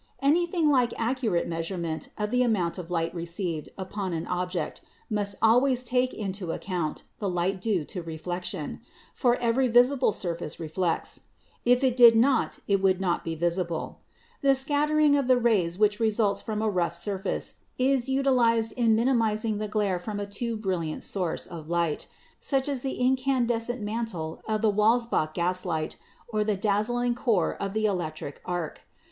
Anything like accurate measurement of the amount of light received upon an object must always take into ac REFLECTION AND REFRACTION 85 count the light due to reflection — for every visible surface reflects; if it did not it would not be visible. The scatter ing of the rays which results from a rough surface is utilized in minimizing the glare from a too brilliant source of light, such as the incandescent mantle of the Welsbach gaslight or the dazzling core of the electric arc.